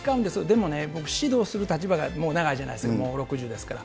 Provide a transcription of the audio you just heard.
でも僕、指導する立場がもう長いじゃないですか、６０ですから。